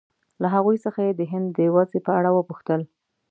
له هغوی څخه یې د هند د وضعې په اړه وپوښتل.